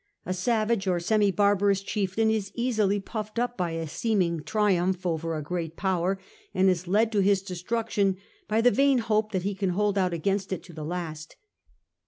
A savage or semi barbarous chieftain is easily puffed up by a seeming triumph over a great Power, and is led to his destruction by the vain hope that he can hold out against it to the last.